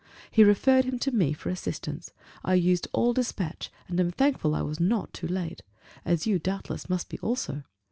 He referred him to me for assistance, I used all dispatch, and am thankful I was not too late: as you, doubtless, must be also.